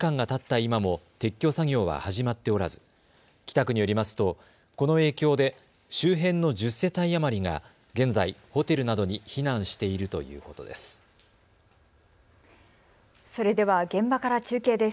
今も撤去作業は始まっておらず北区によりますとこの影響で周辺の１０世帯余りが現在、ホテルなどに避難しているということです。